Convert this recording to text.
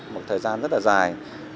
một thời gian rất là dài